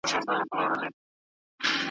ډېر نیژدې وو چي له لوږي سر کړي ساندي ,